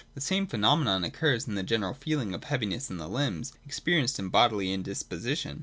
The same phenomenon occurs in the general feeling of heaviness in the limbs, experienced in bodily indisposition.